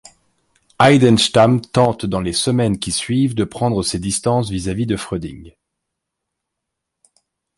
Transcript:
Heidenstam tente dans les semaines qui suivent de prendre ses distances vis-à-vis de Fröding.